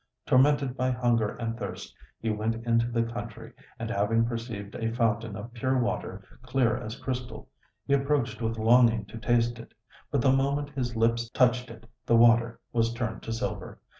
Tormented by hunger and thirst, he went into the country, and having perceived a fountain of pure water, clear as crystal, he approached with longing to taste it; but the moment his lips touched it the water was turned to silver.